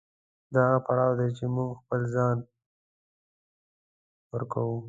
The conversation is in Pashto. دا هغه پړاو دی چې موږ خپل ځان ورکوو.